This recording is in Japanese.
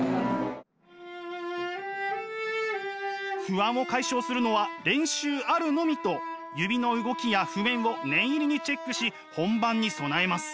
不安を解消するのは練習あるのみと指の動きや譜面を念入りにチェックし本番に備えます。